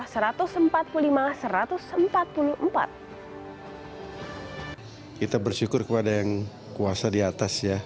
kita bersyukur kepada yang kuasa di atas ya